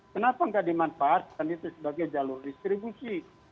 kenapa nggak dimanfaatkan itu sebagai jalur distribusi